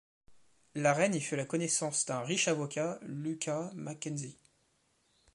Laren y fait la connaissance d'un riche avocat, Lucas McKenzie.